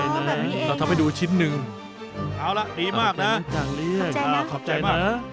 มันต้องหันให้ดีเอาล่ะดีมากนะขอบใจนะ